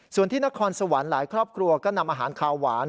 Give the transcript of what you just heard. ส่วนที่นครสวรรค์หลายครอบครัวก็นำอาหารคาวหวาน